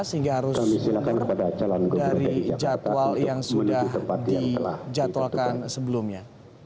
sehingga harus dari jadwal yang sudah dijatuhkan sebelumnya